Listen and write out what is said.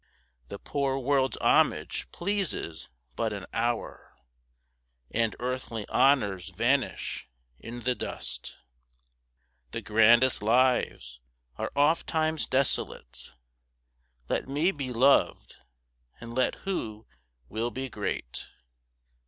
The poor world's homage pleases but an hour, And earthly honours vanish in the dust. The grandest lives are ofttimes desolate; Let me be loved, and let who will be great.